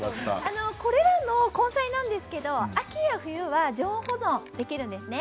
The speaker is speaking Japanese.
これらの根菜なんですけど秋や冬は常温保存できるんですね。